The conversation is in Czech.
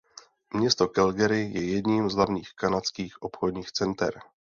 Město Calgary je jedním z hlavních kanadských obchodních center.